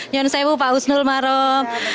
nyonsewu pak husnul marom